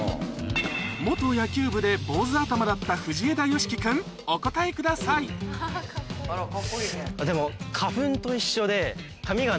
野球部で坊ず頭だった藤枝喜輝君お答えくださいでも。